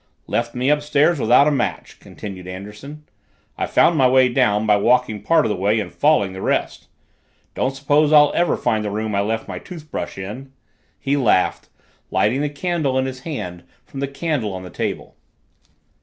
"Left me upstairs without a match," continued Anderson. "I found my way down by walking part of the way and falling the rest. Don't suppose I'll ever find the room I left my toothbrush in!" He laughed, lighting the candle in his hand from the candle on the table.